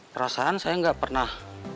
perasaan saya nggak pernah